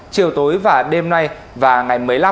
chiều tối và đêm nay và ngày một mươi năm